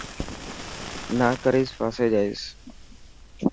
نا ڪريس ڦاسي جائيس.